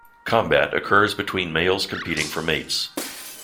Combat occurs between males competing for mates.